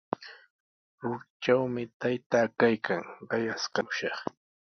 Ruritrawmi taytaa kaykan, qayaskamushaq.